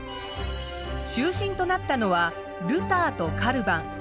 中心となったのはルターとカルヴァン。